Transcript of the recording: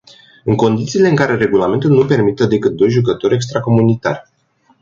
În condițiile în care regulamentul nu permite decât doi jucători extracomunitari.